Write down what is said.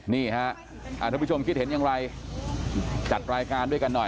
นี่ฮะท่านผู้ชมคิดเห็นอย่างไรจัดรายการด้วยกันหน่อย